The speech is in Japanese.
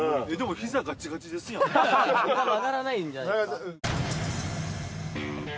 ・ヒザ曲がらないんじゃないですか・